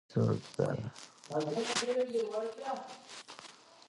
چې په خپلو دربارونو کې يې څو زره